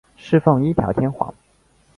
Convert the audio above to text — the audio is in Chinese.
侍奉一条天皇。